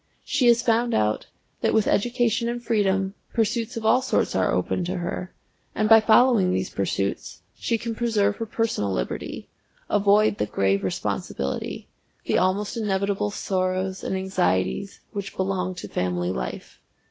She has found out that with education and freedom, pursuits of all sorts are open to her, and by following these pursuits she can preserve her personal liberty, avoid the grave responsibility, the almost inevitable sorrows and anxieties, which belong to family life.